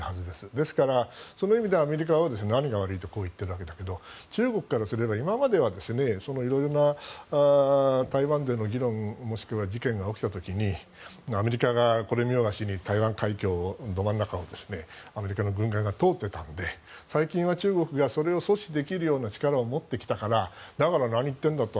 ですから、その意味でアメリカは何が悪いとこう言っているわけだけど中国からすれば今までは色々な台湾での議論もしくは事件が起きた時にアメリカがこれみよがしに台湾海峡のど真ん中をアメリカの軍艦が通っていたので最近は中国がそれを阻止できるような力を持ってきたからだから何を言っているんだと。